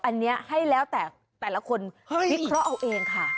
อันนี้ให้แล้วแต่แต่ละคนวิเคราะห์เอาเองค่ะ